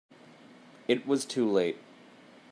It was too late.